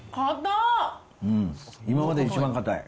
今までで一番硬い。